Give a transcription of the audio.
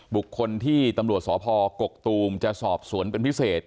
บุคคลที่ตำรวจสพกกตูมจะสอบสวนเป็นพิเศษ